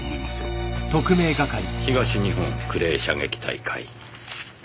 東日本クレー射撃大会。